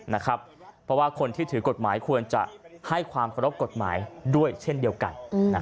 เพราะว่าคนที่ถือกฎหมายควรจะให้ความเคารพกฎหมายด้วยเช่นเดียวกัน